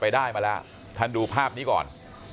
ได้มาแล้วท่านดูภาพนี้ก่อน